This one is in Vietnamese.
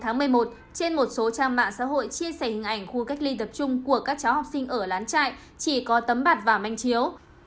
ngày một mươi bốn một mươi một trên một số trang mạng xã hội chia sẻ hình ảnh khu cách ly tập trung của các cháu học sinh ở lán trại chỉ có tấm bạc và manh chiếu